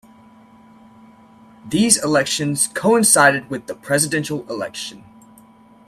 These elections coincided with the presidential election.